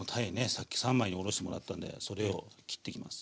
さっき三枚におろしてもらったんでそれを切っていきます。